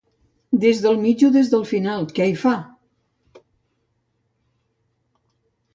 Des del mig o des del final, què hi fa?